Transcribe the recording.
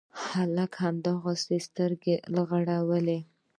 هلک هماغسې سترګې رغړولې.